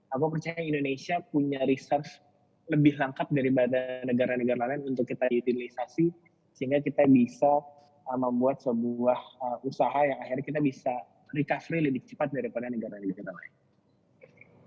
aku percaya indonesia punya research lebih lengkap daripada negara negara lain untuk kita utilisasi sehingga kita bisa membuat sebuah usaha yang akhirnya kita bisa recovery lebih cepat daripada negara negara lain